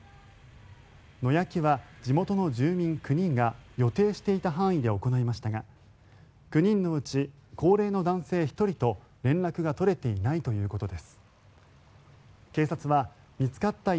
野焼きは地元の住民９人が予定していた範囲で行いましたが９人のうち高齢の男性１人とお天気は津田さんです。